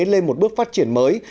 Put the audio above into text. lên một bước phát triển mới